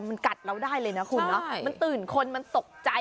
มันกัดเราได้เลยนะคุณเนาะมันตื่นคนมันตกใจ